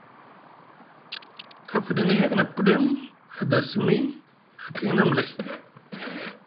A fiɗini hek na pɗem, a da simi, a kiŋni amlay.